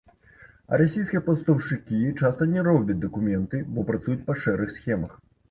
А расійскія пастаўшчыкі часта не робяць дакументы, бо працуюць па шэрых схемах.